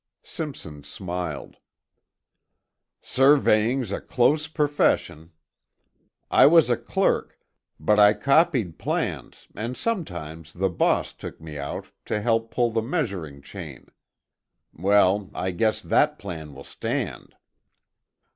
Simpson smiled. "Surveying's a close profession. I was a clerk, but I copied plans and sometimes the boss took me out to help pull the measuring chain. Well, I guess that plan will stand!"